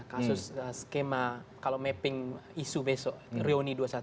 kasus skema kalau mapping isu besok reuni dua ratus dua belas